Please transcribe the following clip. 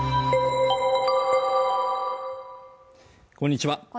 こんにちは